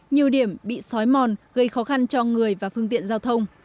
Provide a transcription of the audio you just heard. nhiều điểm bị xói mòn gây khó khăn cho người và phương tiện giao thông